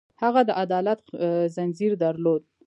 هغه د عدالت ځنځیر درلود.